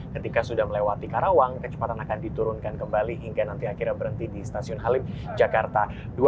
ketika sudah melewati karawang kecepatan akan diturunkan kembali hingga nanti akhirnya berhenti di stasiun halim jakarta